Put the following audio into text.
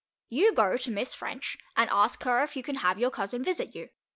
You go to Miss French and ask her if you can have your cousin visit you.